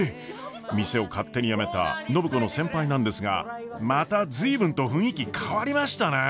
店を勝手に辞めた暢子の先輩なんですがまた随分と雰囲気変わりましたね。